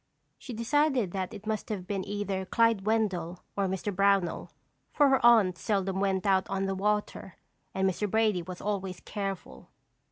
She decided that it must have been either Clyde Wendell or Mr. Brownell, for her aunt seldom went out on the water and Mr. Brady was always careful.